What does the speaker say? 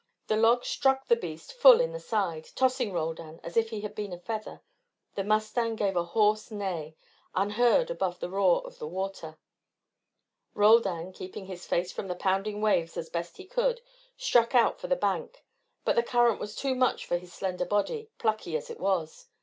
The log struck the beast full in the side, tossing Roldan as if he had been a feather. The mustang gave a hoarse neigh, unheard above the roar of the water. Roldan, keeping his face from the pounding waves as best he could, struck out for the bank. But the current was too much for his slender body, plucky as it was.